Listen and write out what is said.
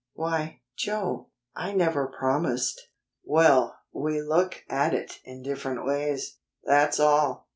Why, Joe, I never promised." "Well, we look at it in different ways; that's all.